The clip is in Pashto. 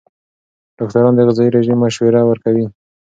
ډاکټران د غذايي رژیم مشوره ورکوي.